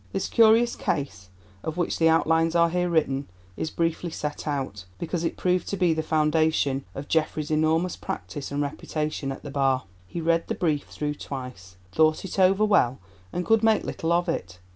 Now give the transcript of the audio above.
This curious case, of which the outlines are here written, is briefly set out, because it proved to be the foundation of Geoffrey's enormous practice and reputation at the Bar. He read the brief through twice, thought it over well, and could make little of it.